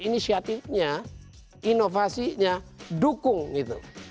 inisiatifnya inovasinya dukung gitu